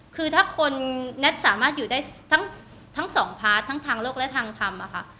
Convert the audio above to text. คือถ้าคนแน็ตสามารถอยู่ได้ทั้งสองพาร์ททั้งทางโลกและทางธรรมอะค่ะ